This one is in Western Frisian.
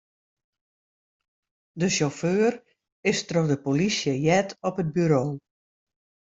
De sjauffeur is troch de polysje heard op it buro.